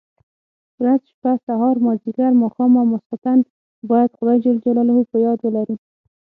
ورځ، شپه، سهار، ماځيګر، ماښام او ماخستن بايد خداى جل جلاله په ياد ولرو.